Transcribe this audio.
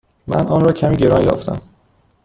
من آن را کمی گران یافتم.